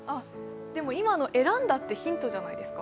でも、今の選んだってヒントじゃないですか？